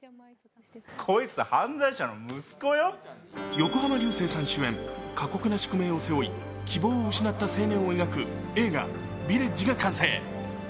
横浜流星さん主演、過酷な宿命を背負い、希望を失った青年を描く映画「Ｖｉｌｌａｇｅ」が完成。